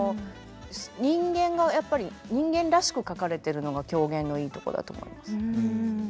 人間がやっぱり人間らしく描かれてるのが狂言のいいとこだと思います。